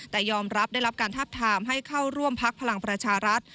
แต่ยอมรับได้รับการทับทามให้เข้าร่วมพักพลังประชารัฐ